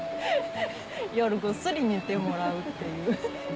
夜ぐっすり寝てもらうっていう。